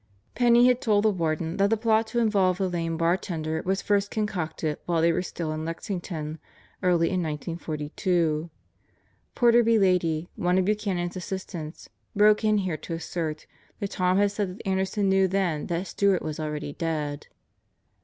Penney had told the Warden that the plot to involve the lame bar tender was first concocted "while they were still in Lexington early in 1942. Porter B. Lady, one of Buchanan's assistants, broke in here to assert that Tom had said that Ander son knew then that Stewart was already dead.